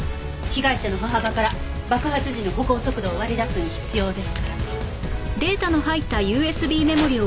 被害者の歩幅から爆発時の歩行速度を割り出すのに必要ですから。